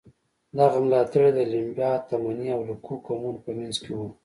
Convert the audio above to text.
دغه ملاتړي د لیمبا، تمني او لوکو قومونو په منځ کې وو.